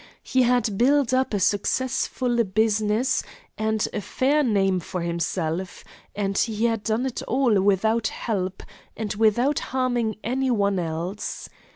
He had built up a successful business and a fair name for himself, and he had done it all without help, and without harming any one else.